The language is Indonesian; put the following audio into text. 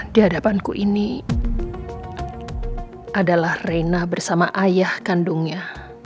di hadapanku ini adalah reina bersama ayah kandungnya